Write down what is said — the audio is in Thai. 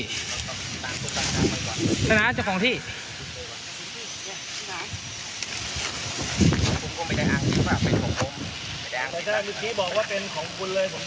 คุณของไปได้ห้ามที่เปล่าไปผมผมอยากจะรู้ที่บอกว่าเป็นของคุณเลย